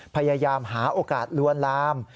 พยายามหาโอกาสลวนลาม